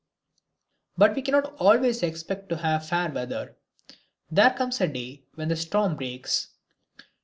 But we cannot always expect to have fair weather. There comes a day when the storm breaks.